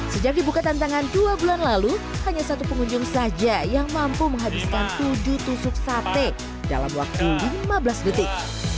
sejak dibuka tantangan dua bulan lalu hanya satu pengunjung saja yang mampu menghabiskan tujuh tusuk sate dalam waktu lima belas detik